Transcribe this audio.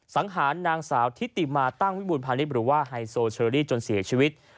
สังหารนางสาวทิติมาตั้งวิบูรพาณิชย์หรือว่าไฮโซเชอรี่จนเสียชีวิต